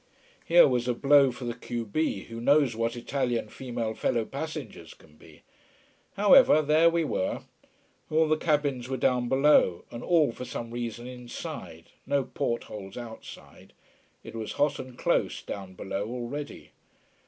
Here was a blow for the q b, who knows what Italian female fellow passengers can be. However, there we were. All the cabins were down below, and all, for some mysterious reason, inside no portholes outside. It was hot and close down below already.